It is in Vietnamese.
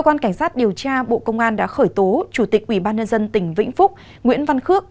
chủ tịch ubnd tỉnh vĩnh phúc nguyễn văn khước